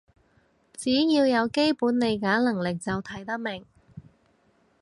只要有基本理解能力就睇得明